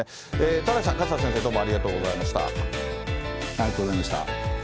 田崎さん、勝田先生、どうもありがとうございました。